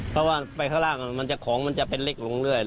เพราะว่าไปข้างล่างของมันจะเป็นเล็กลงเรื่อย